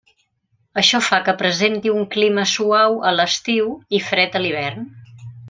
Això fa que presenti un clima suau a l'estiu i fred a l'hivern.